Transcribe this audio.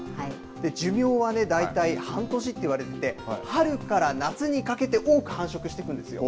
寿命はだいたい半年と言われていて春から夏にかけて多く繁殖してくるんです。